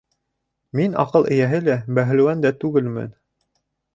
Мин аҡыл эйәһе лә, бәһлеүән дә түгелмен.